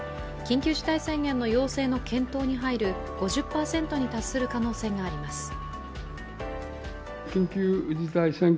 緊急事態宣言の要請の検討に入る５０％に達する可能性があります。